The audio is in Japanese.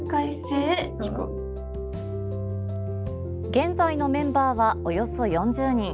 現在のメンバーはおよそ４０人。